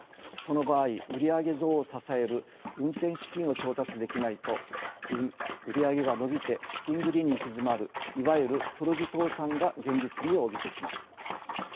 その場合売り上げ増を支える運転資金を調達できないと売り上げが伸びて資金繰りに行き詰まるいわゆる黒字倒産が現実味を帯びてきます。